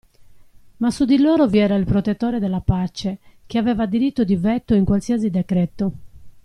Ma su di loro vi era il protettore della pace, che aveva diritto di veto in qualsiasi decreto.